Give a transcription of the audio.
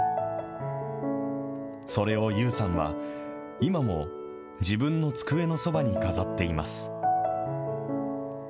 それをＹＯＵさんは、今も自分の机のそばに飾っています。